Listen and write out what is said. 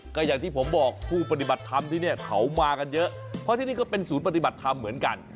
ก็อย่างที่ผมบอกผู้ปฏิบัติธรรมที่เนี่ยเขามากันเยอะเพราะที่นี่ก็เป็นศูนย์ปฏิบัติธรรมเหมือนกัน